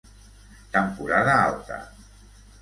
Temporada Alta.